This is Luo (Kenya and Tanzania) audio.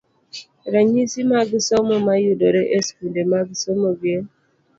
Ranyisi mag somo mayudore e skunde mag somo gin: